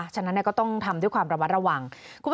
ฉะนั้นก็ต้องทำด้วยความระมัดระวัง